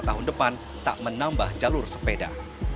tahun depan tak menambah jalur sepeda